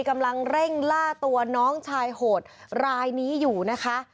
กำลังเร่งล่าตัวน้องชายโหดรายนี้อยู่นะคะ